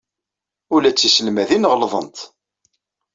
Ula d tiselmadin ɣellḍent.